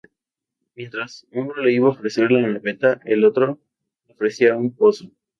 Mientras uno le iba a ofrecer la naveta, el otro le ofrecía un pozo.